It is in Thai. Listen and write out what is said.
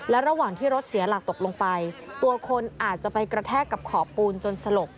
และระหว่างที่รถเสียหลักตกลงไปตัวคนอาจจะไปกระแทกกับขอบปูนจนสลบ